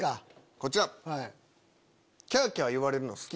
こちら！